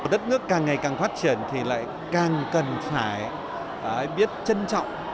đất nước càng ngày càng phát triển thì lại càng cần phải biết trân trọng